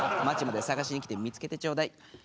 町まで捜しに来て見つけてちょうだい。